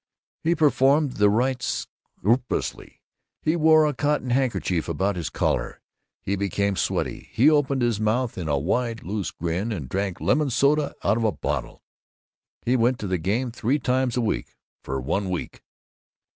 He performed the rite scrupulously. He wore a cotton handkerchief about his collar; he became sweaty; he opened his mouth in a wide loose grin; and drank lemon soda out of a bottle. He went to the Game three times a week, for one week.